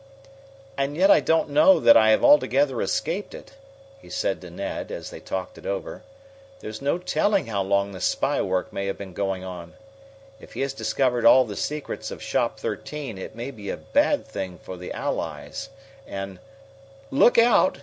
"And yet I don't know that I have altogether escaped it," he said to Ned, as they talked it over. "There's no telling how long this spy work may have been going on. If he has discovered all the secrets of Shop Thirteen it may be a bad thing for the Allies and " "Look out!"